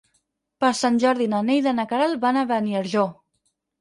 Per Sant Jordi na Neida i na Queralt van a Beniarjó.